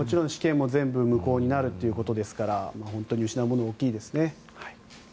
試験も全部無効になるということですから本当に失うものは大きいですね。